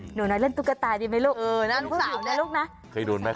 หนูน้อยเล่นตุ๊กตาดีมั้ยลูกลูกสาวเนี่ย